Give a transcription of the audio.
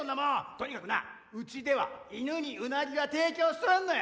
とにかくなうちでは犬にうなぎは提供しとらんのよ。